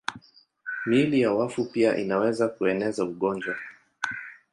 Miili ya wafu pia inaweza kueneza ugonjwa.